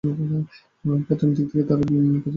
প্রথম দিকে তাঁর কাছে দুই কোটি টাকা চাঁদা দাবি করা হতো।